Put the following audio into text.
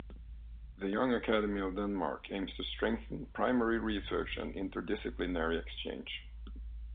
The Young Academy of Denmark aims to strengthen primary research and interdisciplinary exchange.